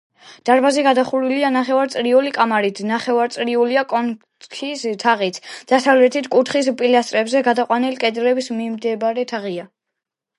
დარბაზი გადახურულია ნახევარწრიული კამარით, ნახევარწრიულია კონქის თაღიც, დასავლეთით კუთხის პილასტრებზე გადაყვანილი კედლის მიმდებარე თაღია.